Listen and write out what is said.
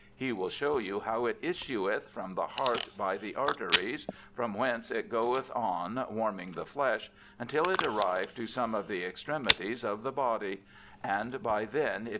He will show you how it issueth from the hart by the arteries ; from whence it goeth on warming the flesh, untill it arrive to some of the extremities of the body : and by then it \?